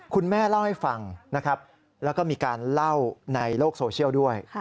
คุณแม่เล่าให้ฟังนะครับแล้วก็มีการเล่าในโลกโซเชียลด้วย